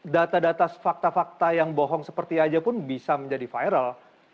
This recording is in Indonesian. data data fakta fakta yang bohong seperti aja pun bisa menjadi viral